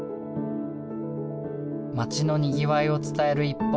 町のにぎわいを伝える一方